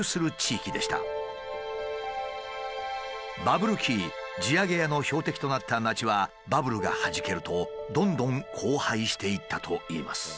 バブル期地上げ屋の標的となった町はバブルがはじけるとどんどん荒廃していったといいます。